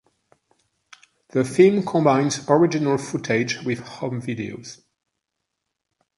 The film combines original footage with home videos.